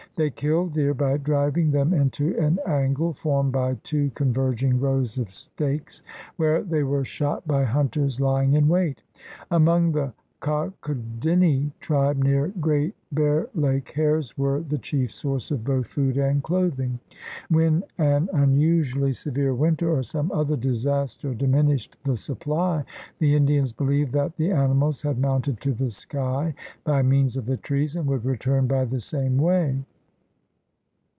They killed deer by driving them into an angle formed by two converging rows of stakes, where they were shot by hunters lying in wait. Among the Kaw chodinne tribe near Great Bear Lake hares were the chief source of both food and clothing. When an unusually severe winter or some other disaster diminished the supply, the Indians believed that the animals had mounted to the sky by means of the trees and would return by the same way.